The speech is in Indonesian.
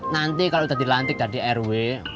nanti kalau sudah dilantik jadi rw